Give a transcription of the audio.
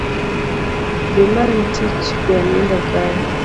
Dhi many tiich we ndindo kae